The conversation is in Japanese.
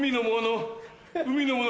海のもの